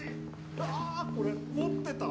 あこれ持ってたわ。